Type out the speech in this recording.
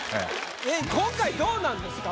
えっ今回どうなんですか？